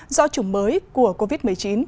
do chủng mới của covid một mươi chín